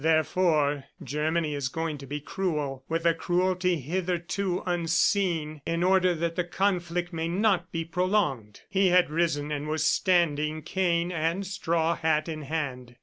Therefore, Germany is going to be cruel with a cruelty hitherto unseen, in order that the conflict may not be prolonged." He had risen and was standing, cane and straw hat in hand.